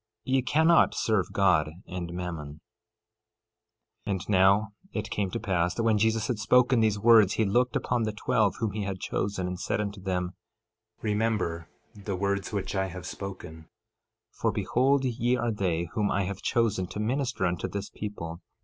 Ye cannot serve God and Mammon. 13:25 And now it came to pass that when Jesus had spoken these words he looked upon the twelve whom he had chosen, and said unto them: Remember the words which I have spoken. For behold, ye are they whom I have chosen to minister unto this people.